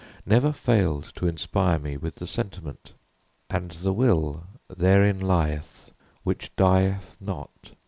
never failed to inspire me with the sentiment: "And the will therein lieth, which dieth not.